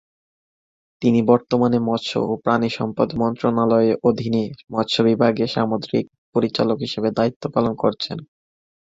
তিনি বর্তমানে মৎস্য ও প্রাণিসম্পদ মন্ত্রণালয়ের অধীনে মৎস্য বিভাগের সামুদ্রিক পরিচালক হিসাবে দায়িত্ব পালন করছেন।